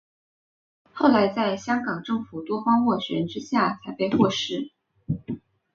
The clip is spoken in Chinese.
后来在香港政府多方斡旋之下才被获释。